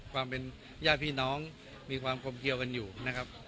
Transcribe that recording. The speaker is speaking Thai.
ความเป็นญาติพี่น้องมีความกลมเกี่ยวกันอยู่นะครับ